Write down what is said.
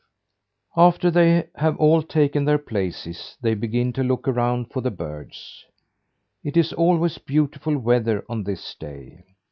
After they have all taken their places, they begin to look around for the birds. It is always beautiful weather on this day.